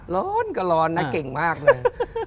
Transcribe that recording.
ร้อนก็ร้อนนะเก่งมากเลย